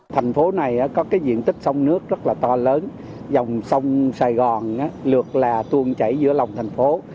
thành phố này có cái diện tích sông nước rất là to lớn dòng sông sài gòn lượt là tuồng chảy giữa lòng thành phố